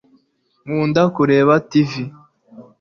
nkunda kureba tv